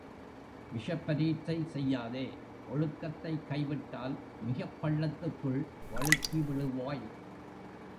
விஷப்பரீட்சை செய்யாதே ஒழுக்கத்தைக் கைவிட்டால் மிகப் பள்ளத்துக்குள் வழுக்கி விழுவாய்.